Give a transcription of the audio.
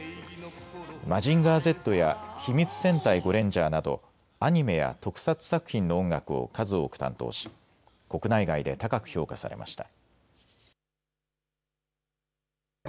マジンガーＺや秘密戦隊ゴレンジャーなどアニメや特撮作品の音楽を数多く担当し国内外で高く評価されました。